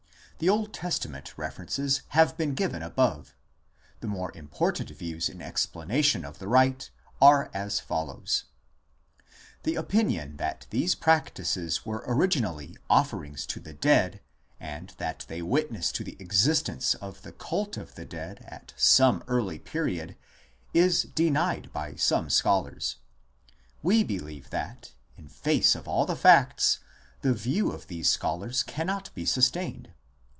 The Old Testament references have been given above. The more important views in explanation of the rite are as follows : The opinion that these practices were originally offerings to the dead and that they witness to the existence of the cult of the dead at some early period is denied by some scholars. We believe that, in face of all the facts, the view of these scholars cannot be sustained.